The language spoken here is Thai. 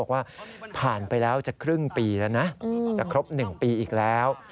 ครบ๑ปีแล้วนะจะครบ๑ปีอีกแล้ว